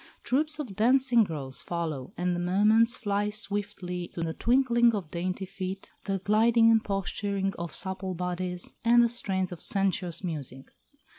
Troupes of dancing girls follow, and the moments fly swiftly to the twinkling of dainty feet, the gliding and posturing of supple bodies, and the strains of sensuous music.